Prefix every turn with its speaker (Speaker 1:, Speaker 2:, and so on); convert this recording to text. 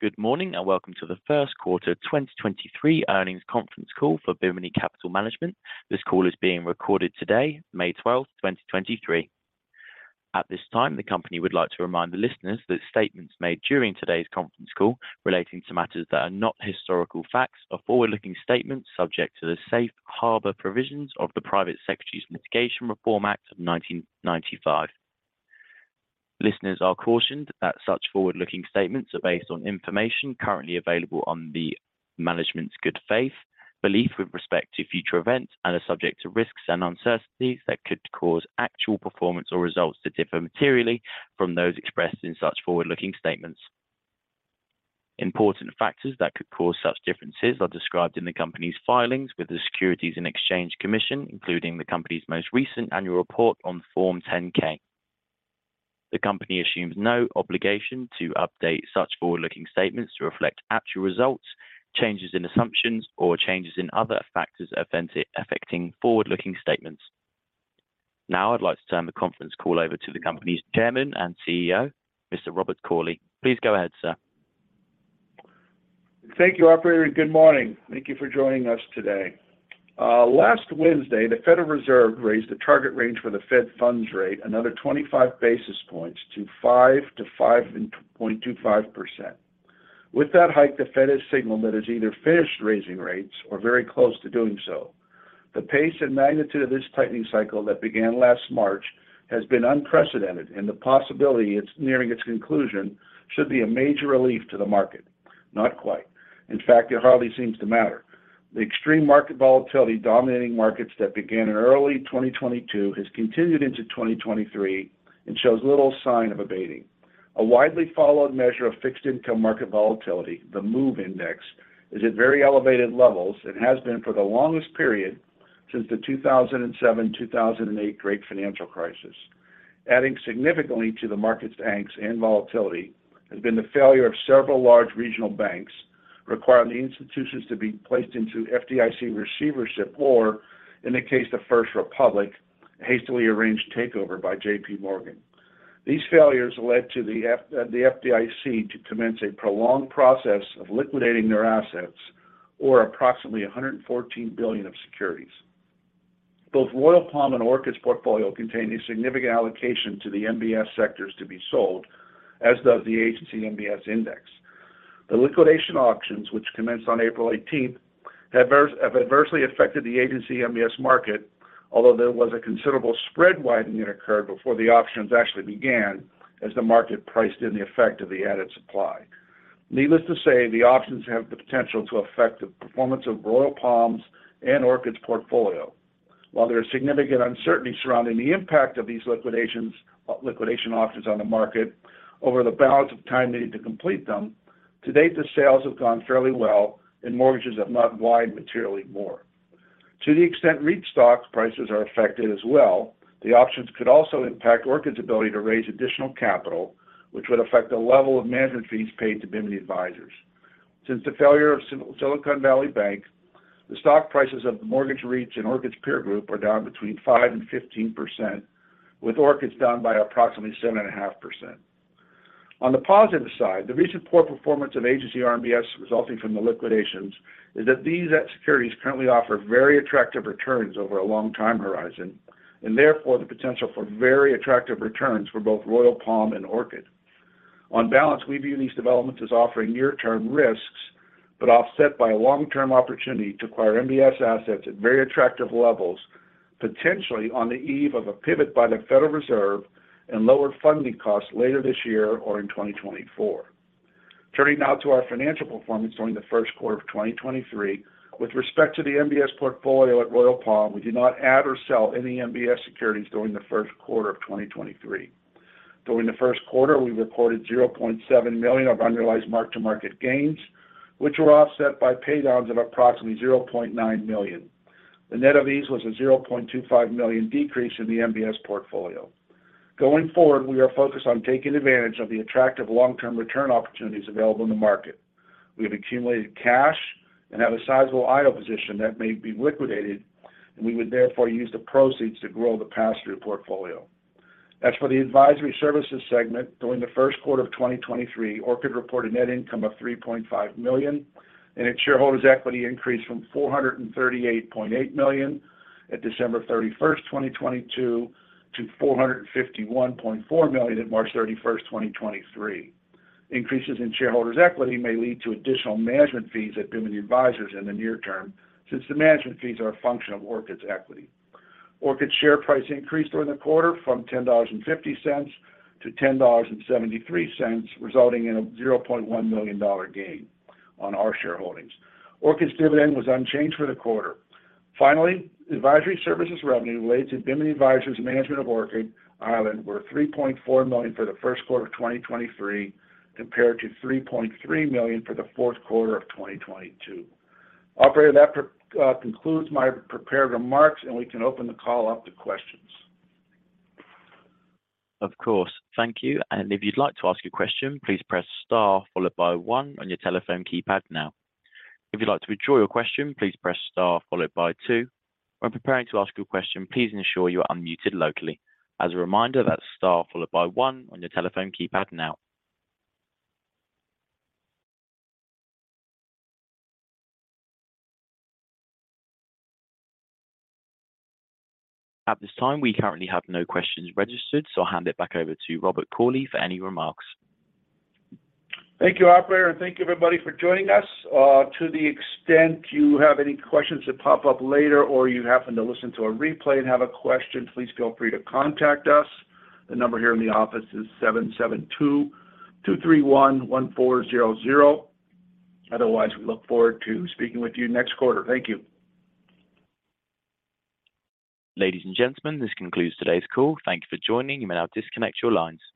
Speaker 1: Good morning, and welcome to the 1st quarter 2023 earnings conference call for Bimini Capital Management. This call is being recorded today, May 12, 2023. At this time, the company would like to remind the listeners that statements made during today's conference call relating to matters that are not historical facts or forward-looking statements subject to the Safe Harbor provisions of the Private Securities Litigation Reform Act of 1995. Listeners are cautioned that such forward-looking statements are based on information currently available on the management's good faith, belief with respect to future events, and are subject to risks and uncertainties that could cause actual performance or results to differ materially from those expressed in such forward-looking statements. Important factors that could cause such differences are described in the company's filings with the Securities and Exchange Commission, including the company's most recent annual report on Form 10-K. The company assumes no obligation to update such forward-looking statements to reflect actual results, changes in assumptions, or changes in other factors affecting forward-looking statements. I'd like to turn the conference call over to the company's Chairman and CEO, Mr. Robert Cauley. Please go ahead, sir.
Speaker 2: Thank you, operator. Good morning. Thank you for joining us today. Last Wednesday, the Federal Reserve raised the target range for the Fed funds rate another 25 basis points to 5% to 5.25%. With that hike, the Fed has signaled that it's either finished raising rates or very close to doing so. The pace and magnitude of this tightening cycle that began last March has been unprecedented, and the possibility it's nearing its conclusion should be a major relief to the market. Not quite. In fact, it hardly seems to matter. The extreme market volatility dominating markets that began in early 2022 has continued into 2023 and shows little sign of abating. A widely followed measure of fixed income market volatility, the MOVE Index, is at very elevated levels and has been for the longest period since the 2007, 2008 great financial crisis. Adding significantly to the market's angst and volatility has been the failure of several large regional banks requiring the institutions to be placed into FDIC receivership or, in the case of First Republic, hastily arranged takeover by JP Morgan. These failures led to the FDIC to commence a prolonged process of liquidating their assets or approximately $114 billion of securities. Both Royal Palm and Orchid's portfolio contain a significant allocation to the MBS sectors to be sold, as does the agency MBS index. The liquidation auctions, which commenced on April 18th, have adversely affected the agency MBS market, although there was a considerable spread widening that occurred before the auctions actually began as the market priced in the effect of the added supply. Needless to say, the auctions have the potential to affect the performance of Royal Palm's and Orchid's portfolio. While there are significant uncertainty surrounding the impact of these liquidations, liquidation auctions on the market over the balance of time they need to complete them. To date, the sales have gone fairly well and mortgages have not widened materially more. To the extent REIT stocks prices are affected as well, the auctions could also impact Orchid's ability to raise additional capital, which would affect the level of management fees paid to Bimini Advisors. Since the failure of Silicon Valley Bank, the stock prices of the mortgage REITs in Orchid's peer group are down between 5%-15%, with Orchid's down by approximately 7.5%. On the positive side, the recent poor performance of agency RMBS resulting from the liquidations is that these securities currently offer very attractive returns over a long time horizon, and therefore the potential for very attractive returns for both Royal Palm and Orchid. On balance, we view these developments as offering near-term risks, but offset by a long-term opportunity to acquire MBS assets at very attractive levels, potentially on the eve of a pivot by the Federal Reserve and lower funding costs later this year or in 2024. Turning now to our financial performance during the first quarter of 2023. With respect to the MBS portfolio at Royal Palm, we did not add or sell any MBS securities during the first quarter of 2023. During the first quarter, we recorded $0.7 million of unrealized mark-to-market gains, which were offset by pay downs of approximately $0.9 million. The net of these was a $0.25 million decrease in the MBS portfolio. Going forward, we are focused on taking advantage of the attractive long-term return opportunities available in the market. We have accumulated cash and have a sizable IO position that may be liquidated, and we would therefore use the proceeds to grow the pass-through portfolio. As for the advisory services segment, during the first quarter of 2023, Orchid reported net income of $3.5 million, and its shareholders' equity increased from $438.8 million at December 31, 2022 to $451.4 million at March 31, 2023. Increases in shareholders' equity may lead to additional management fees at Bimini Advisors in the near term, since the management fees are a function of Orchid's equity. Orchid's share price increased during the quarter from $10.50 to $10.73, resulting in a $0.1 million gain on our shareholdings. Orchid's dividend was unchanged for the quarter. Advisory services revenue related to Bimini Advisors' management of Orchid Island were $3.4 million for the first quarter of 2023, compared to $3.3 million for the fourth quarter of 2022. Operator, that concludes my prepared remarks, and we can open the call up to questions.
Speaker 1: Of course. Thank you. If you'd like to ask a question, please press Star followed by one on your telephone keypad now. If you'd like to withdraw your question, please press Star followed by two. When preparing to ask your question, please ensure you are unmuted locally. As a reminder, that's Star followed by one on your telephone keypad now. At this time, we currently have no questions registered, so I'll hand it back over to Robert Cauley for any remarks.
Speaker 2: Thank you, operator, thank you, everybody for joining us. To the extent you have any questions that pop up later or you happen to listen to a replay and have a question, please feel free to contact us. The number here in the office is 7722311400. Otherwise, we look forward to speaking with you next quarter. Thank you.
Speaker 1: Ladies and gentlemen, this concludes today's call. Thank you for joining. You may now disconnect your lines.